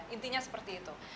intinya seperti itu